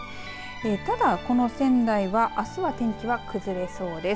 ただ、この仙台はあすは天気が崩れそうです。